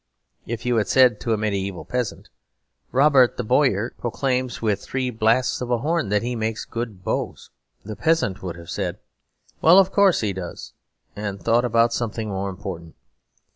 If you had said to a medieval peasant, 'Robert the Bowyer proclaims, with three blasts of a horn, that he makes good bows,' the peasant would have said, 'Well, of course he does,' and thought about something more important.